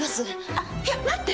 あっいや待って！